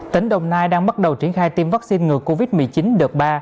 tỉnh đồng nai đang bắt đầu triển khai tiêm vaccine ngừa covid một mươi chín đợt ba